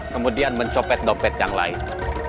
kemudian mencopet dompet yang lain